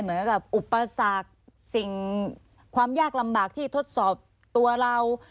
เหมือนกับอุปสรรคสิ่งความยากลำบากที่ทดสอบตัวเรา